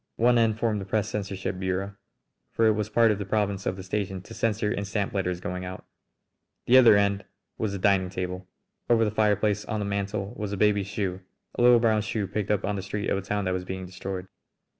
One end formed the press censorship bureau, for it was part of the province of the station to censor and stamp letters going out. The other end was the dining table. Over the fireplace on the mantel was a baby's shoe, a little brown shoe picked up on the street of a town that was being destroyed.